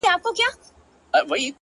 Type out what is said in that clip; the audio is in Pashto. • نور څه نسته هغه سپی دی او دی خر دی,